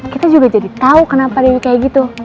kita juga jadi tahu kenapa dewi kayak gitu